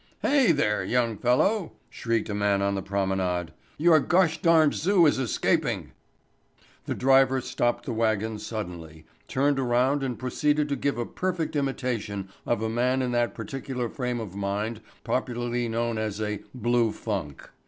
"Hey, there, young fellow," shrieked a man on the promenade. "You gosh darned zoo is escaping." The driver stopped the wagon suddenly, turned around and proceeded to give a perfect imitation of a man in that particular frame of mind popularly known as a "blue funk."